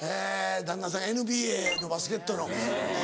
旦那さんがＮＢＡのバスケットの。